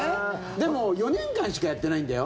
でも、４年間しかやってないんだよ。